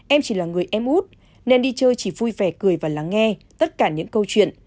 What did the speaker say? em chỉ là người em út nên đi chơi chỉ vui vẻ cười và lắng nghe tất cả những câu chuyện